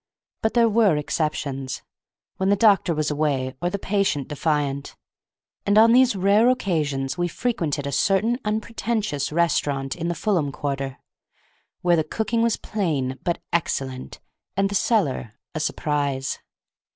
But there were exceptions, when the doctor was away or the patient defiant, and on these rare occasions we frequented a certain unpretentious restaurant in the Fulham quarter, where the cooking was plain but excellent, and the cellar a surprise.